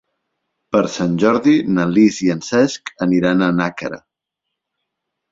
Per Sant Jordi na Lis i en Cesc aniran a Nàquera.